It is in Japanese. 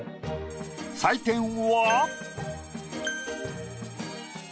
採点は。